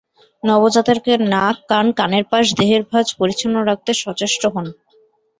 নবজাতকের নাক, কান, কানের পাশ, দেহের ভাঁজ পরিচ্ছন্ন রাখতে সচেষ্ট হোন।